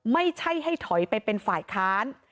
ไม่ใช่ให้ถอยไปเป็นฝ่ายค้าน